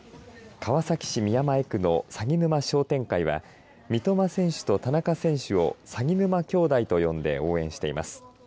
川崎市宮前区のさぎ沼商店会は三笘選手と田中選手を鷺沼兄弟と呼んで応援しています。